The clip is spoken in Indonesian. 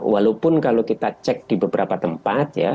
walaupun kalau kita cek di beberapa tempat ya